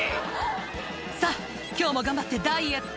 「さぁ今日も頑張ってダイエット」